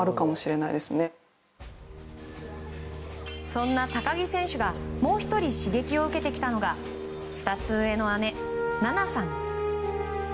そんな高木選手がもう１人刺激を受けてきたのが２つ上の姉・菜那さん。